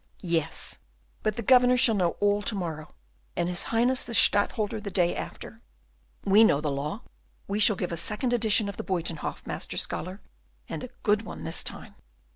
Yes, but the Governor shall know all to morrow, and his Highness the Stadtholder the day after. We know the law, we shall give a second edition of the Buytenhof, Master Scholar, and a good one this time.